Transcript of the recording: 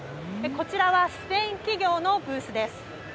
こちらはスペイン企業のブースです。